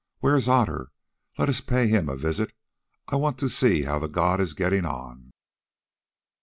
Where is Otter? Let us pay him a visit; I want to see how the god is getting on."